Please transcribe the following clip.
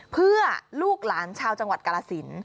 เพื่อลูกหลานชาวจังหวัดกรสิน